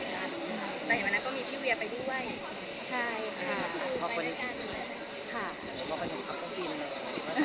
แต่วันนั้นก็มีพี่เวียไปด้วย